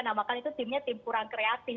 kita namakan itu timnya tim kurang kreatif